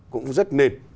cũng rất nên